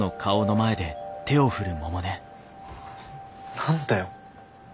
何だよ。